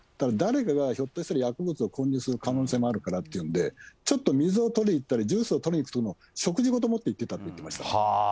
誰かがひょっとしたら薬物を混入する可能性もあるからっていうことで、ちょっと水を取りにいったり、ジュースを取りに行くときに、食事ごと持っていってたって言ってました。